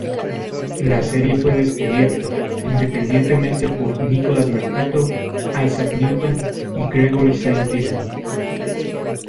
La serie fue descubierta, independientemente por Nicholas Mercator, Isaac Newton y Gregory Saint-Vincent.